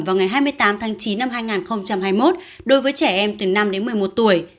vào ngày hai mươi tám tháng chín năm hai nghìn hai mươi một đối với trẻ em từ năm đến một mươi một tuổi